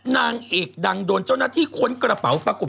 นางเอกดังโดนเจ้าหน้าที่ค้นกระเป๋าปรากฏ